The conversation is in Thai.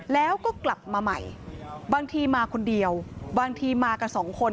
แล้วก็กลับมาใหม่บางทีมาคนเดียวบางทีมากันสองคน